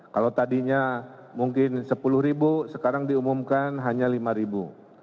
kalau tadinya mungkin sepuluh ribu sekarang diumumkan hanya lima ribu